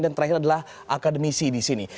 dan terakhir adalah akademisi di sini